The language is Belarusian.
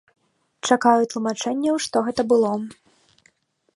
Чакаю тлумачэнняў, што гэта было.